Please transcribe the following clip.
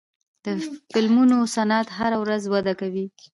د فلمونو صنعت هره ورځ وده کوي.